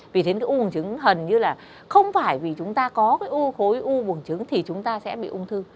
vì thế cái u bùng trứng hẳn như là không phải vì chúng ta có cái u khối u bùng trứng thì chúng ta sẽ bị ung thư